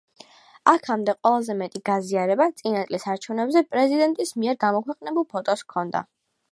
აქამდე ყველაზე მეტი გაზიარება წინა წლის არჩევნებზე პრეზიდენტის მიერ გამოქვეყნებულ ფოტოს ჰქონდა.